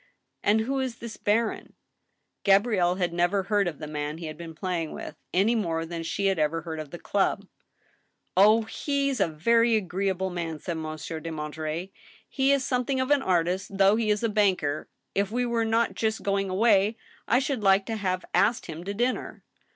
" And who is this baron ?" Gabrielle had never heard of the man he had been playing with, any more than she had ever heard of the club. " Oh ! he's a very ag^eable man," said Monsieur de Monterey. " He is something of an artist, though he is a banker. If we were not just going away, I should like to have asked him to dinner."